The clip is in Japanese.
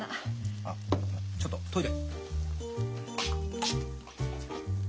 あちょっとトイレ。